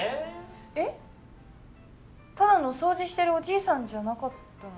えっただの掃除してるおじいさんじゃなかったの？